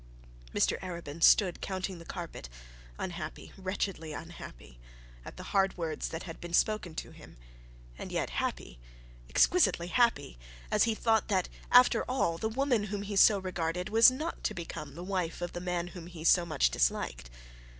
Mr Arabin stood counting the carpet, unhappy, wretchedly unhappy, at the hard words that had been spoken to him; and yet happy, exquisitely happy, as he thought that after all the woman whom he so regarded was not to become the wife of the man whom he so much disliked.